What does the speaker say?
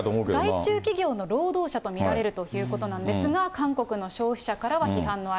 外注企業の労働者と見られるということなんですが、韓国の消費者からは批判の嵐。